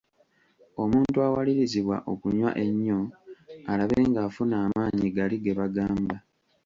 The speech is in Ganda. Omuntu awalirizibwa okunywa ennyo alabe ng'afuna amaanyi gali ge bagamba.